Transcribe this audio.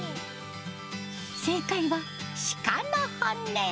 正解はシカの骨。